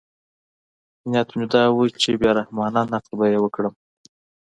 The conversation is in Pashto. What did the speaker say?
نیت مې دا و چې بې رحمانه نقد به یې وکړم.